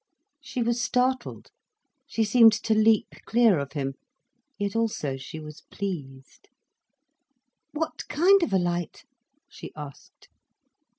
She was startled, she seemed to leap clear of him. Yet also she was pleased. "What kind of a light," she asked.